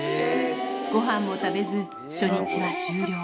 ごはんも食べず、初日は終了。